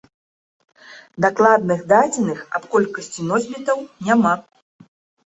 Дакладных дадзеных аб колькасці носьбітаў няма.